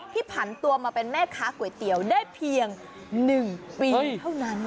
ผันตัวมาเป็นแม่ค้าก๋วยเตี๋ยวได้เพียง๑ปีเท่านั้น